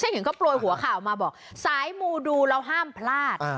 เห็นเขาโปรยหัวข่าวมาบอกสายมูดูแล้วห้ามพลาด